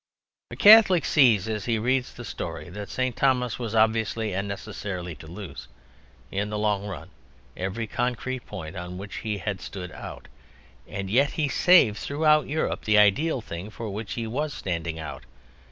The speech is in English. A Catholic sees, as he reads the story, that St. Thomas was obviously and necessarily to lose, in the long run, every concrete point on which he had stood out, and yet he saved throughout Europe the ideal thing for which he was standing out.